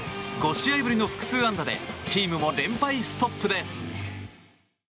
５試合ぶりの複数安打でチームの連敗ストップです。